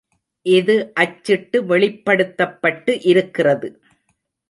இது அச்சிட்டு வெளிப்படுத்தப்பட்டு இருக்கிறது.